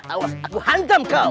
awas aku hantam kau